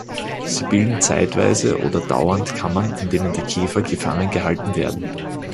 Sie bilden zeitweise oder dauernd Kammern, in denen die Käfer gefangen gehalten werden.